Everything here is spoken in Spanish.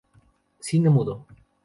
Cine mudo